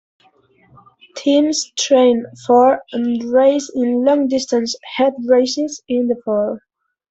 Teams train for and race in long distance 'head races' in the fall.